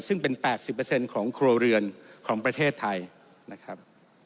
ซึ่งเป็น๘๐ของครัวเรือนของประเทศไทยนะครับ